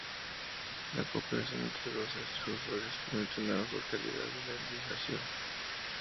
La cooperación entre todos estos usuarios permite una mejor calidad de la indización.